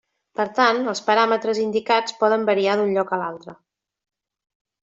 Per tant els paràmetres indicats poden variar d'un lloc a l'altre.